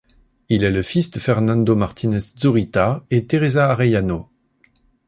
Il est le fils de Fernando Martínez-Zurita et Teresa Arellano.